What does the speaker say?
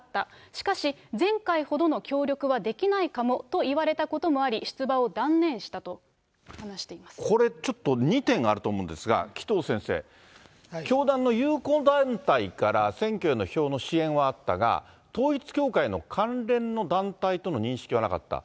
しかし、前回ほどの協力はできないかもと言われたこともあり、これちょっと、２点あると思うんですが、紀藤先生、教団の友好団体から、選挙への票の支援はあったが、統一教会の関連の団体との認識はなかった。